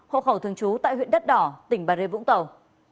hộ khẩu thường trú tại huyện đất đỏ tỉnh bà rê vũng tàu